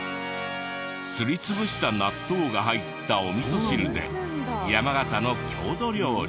すり潰した納豆が入ったおみそ汁で山形の郷土料理。